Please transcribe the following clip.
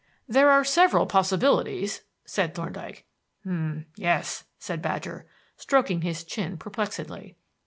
"There are several possibilities," said Thorndyke. "M'yes," said Badger, stroking his chin perplexedly.